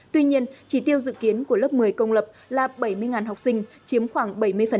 tuy nhiên chỉ tiêu dự kiến của lớp một mươi công lập là bảy mươi học sinh chiếm khoảng bảy mươi